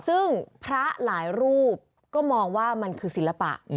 ซึ่งพระหลายรูปก็มองว่ามันคือศิลปะ